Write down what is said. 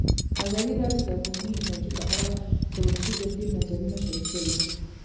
ازادي راډیو د اټومي انرژي په اړه د ولسي جرګې نظرونه شریک کړي.